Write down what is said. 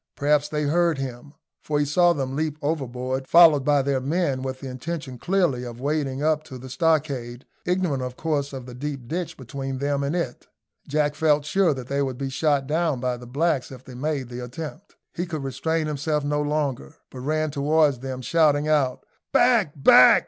Perhaps they heard him, for he saw them leap overboard, followed by their men, with the intention clearly of wading up to the stockade, ignorant of course of the deep ditch between them and it. Jack felt sure that they would be shot down by the blacks if they made the attempt. He could restrain himself no longer, but ran towards them, shouting out, "Back, back!